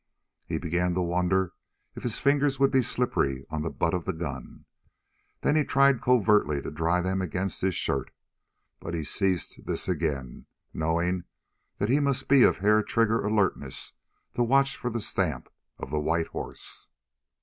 He began to wonder if his fingers would be slippery on the butt of the gun. Then he tried covertly to dry them against his shirt. But he ceased this again, knowing that he must be of hair trigger alertness to watch for the stamp of the white horse.